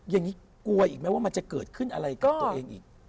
อย่างนี้กลัวอีกไหมว่ามันจะเกิดขึ้นอะไรกับตัวเองอีก